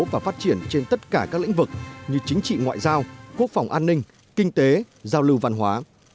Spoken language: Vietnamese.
và phát triển trên tất cả các lĩnh vực như chính trị ngoại giao quốc phòng an ninh kinh tế giao lưu văn hóa